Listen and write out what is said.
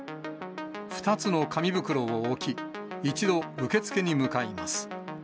２つの紙袋を置き、一度、受付に向かいます。